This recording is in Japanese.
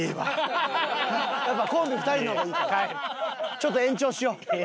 ちょっと延長しよう。